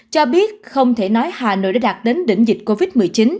cho biết không thể nói hà nội đã đạt đến đỉnh dịch covid một mươi chín